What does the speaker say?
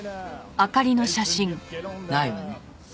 ないわね。